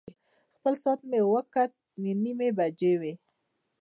خپل ساعت مې وکتل، نهه نیمې بجې وې.